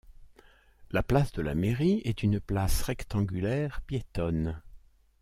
La place de la Mairie est une place rectangulaire, piétonne.